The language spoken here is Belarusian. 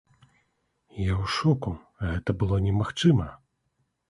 Я у шоку, гэта было немагчыма!